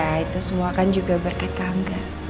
ya itu semua kan juga berkat kangga